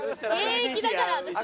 現役だから私も。